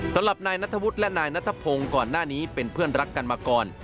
สำหรับนายนัทวุฒิและนายนัทพงศ์ก่อนหน้านี้เป็นเพื่อนรักกันมาก่อน